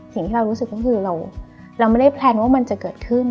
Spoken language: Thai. สิ่งที่เรารู้สึกก็คือเราไม่ได้แพลนว่ามันจะเกิดขึ้น